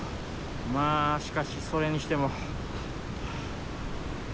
まあしかしそれにしても。